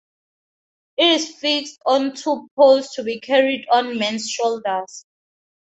It is fixed on two poles to be carried on men's shoulders.